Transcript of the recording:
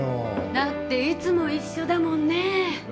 だっていつも一緒だもんね